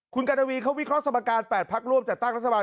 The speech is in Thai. คุณกรณวีเขาวิเคราะห์สมการ๘พักร่วมจัดตั้งรัฐบาล